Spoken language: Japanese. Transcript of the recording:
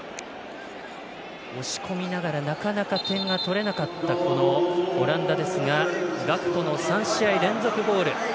押し込みながらなかなか点が取れなかったオランダですが、ガクポの３試合連続ゴール。